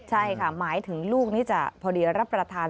ใช่ค่ะหมายถึงลูกนี้จะพอดีรับประทาน